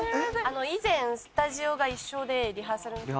以前スタジオが一緒でリハーサルの時に。